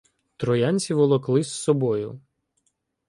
Троянці волокли з собою